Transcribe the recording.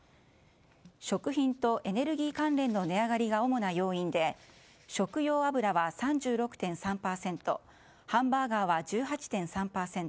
食品とエネルギー関連の値上がりが主な要因で食用油は３６．３％ハンバーガーは１８．３％